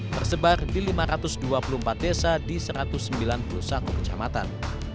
tersebar di lima ratus dua puluh empat desa di satu ratus sembilan puluh satu kecamatan